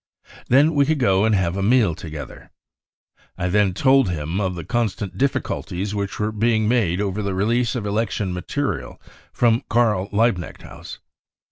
Then we . could go and have a meal together, I then told him of the constant difficulties which were being made over the release of election material from Karl Liebknecht House.